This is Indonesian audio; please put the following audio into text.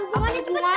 gigi gue ntar patah